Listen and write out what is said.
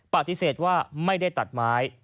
ปฏิเสธว่าไม่ได้ตัดไม้